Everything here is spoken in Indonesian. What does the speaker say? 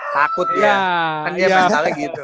takut dia kan dia mentalnya gitu